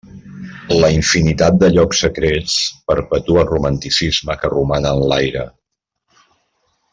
La infinitat de llocs secrets, perpetua el romanticisme que roman en l'aire.